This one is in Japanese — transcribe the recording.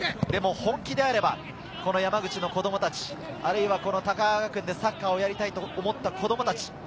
でも本気であればこの山口の子供たち、あるいは高川学園でサッカーをやりたいと思った子供たち。